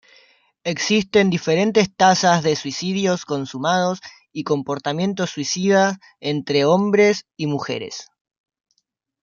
Existen diferentes tasas de suicidios consumados y comportamiento suicida entre hombres y mujeres.